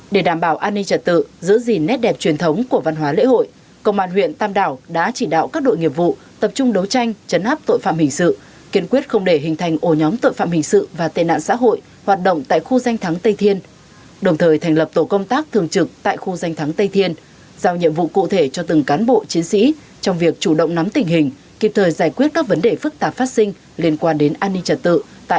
để đảm bảo an ninh trật tự giữ gìn nét đẹp truyền thống của văn hóa lễ hội công an huyện tam đảo đã chỉ đạo các đội nghiệp vụ tập trung đấu tranh chấn áp tội phạm hình sự kiên quyết không để hình thành ổ nhóm tội phạm hình sự và tên nạn xã hội hoạt động tại khu danh thắng tây thiên đồng thời thành lập tổ công tác thường trực tại khu danh thắng tây thiên giao nhiệm vụ cụ thể cho từng cán bộ chiến sĩ trong việc chủ động nắm tình hình kịp thời giải quyết các vấn đề phức tạp phát sinh liên quan đến an ninh trật t